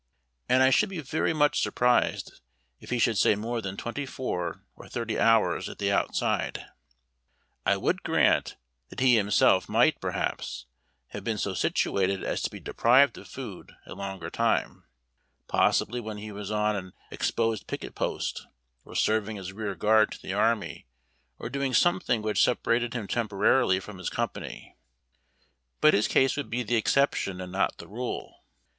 And I should be very much surprised if he should say more than twenty four or thirty hours, at the outside. I would grant that he himself might, perhaps, have been so situated as to be deprived of food a longer time, possibly when he was on an exposed picket post, or serving as rear guard to the army, or doing something which separated him temporarily from his company ; but his case THE COOPER SHOl', PHILADELPHIA. would be the exception and not the rule.